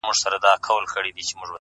سیاه پوسي ده، اوښکي نڅېږي،